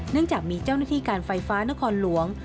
จากมีเจ้าหน้าที่การไฟฟ้านครหลวง